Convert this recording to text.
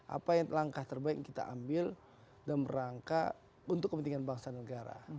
apa yang langkah terbaik yang kita ambil dan berangkat untuk kepentingan bangsa negara